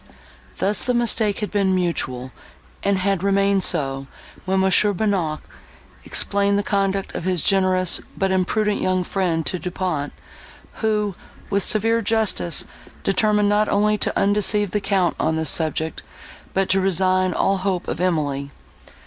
Thus the mistake had been mutual, and had remained so, when Mons. Bonnac explained the conduct of his generous, but imprudent young friend to Du Pont, who, with severe justice, determined not only to undeceive the Count on this subject, but to resign all hope of Emily.